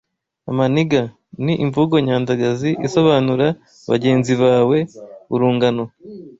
Amaniga: ni imvugo nyandagazi isobanura bagenzi bawe, urungano